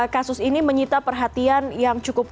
kasus ini menyita perhatian yang cukup